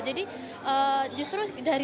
jadi justru dari musim ini saya berharap